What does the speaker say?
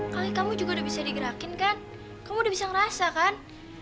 kali kamu juga udah bisa digerakin kan kamu udah bisa ngerasa kan